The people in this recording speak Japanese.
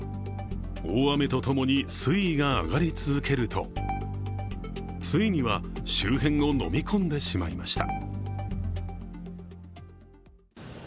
大雨と共に水位が上がり続けると、ついには周辺をのみ込んでしまいました。